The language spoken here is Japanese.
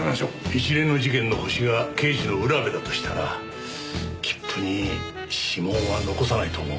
一連の事件のホシが刑事の浦部だとしたら切符に指紋は残さないと思うが。